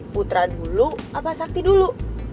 putra dulu apa sakti dulu